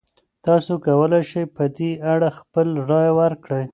تاسو کولی شئ په دې اړه خپله رایه ورکړئ.